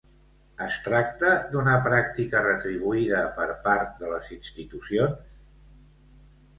Es tracta d'una pràctica retribuïda per part de les institucions?